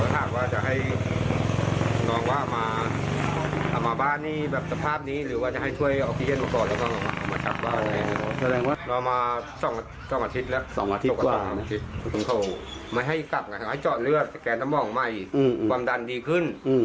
ตั้ง๒อาทิตย์ค่ะเขาก็มาให้กับให้เกิดสมเลือดแกนสม่องใหม่ความดันดีขึ้น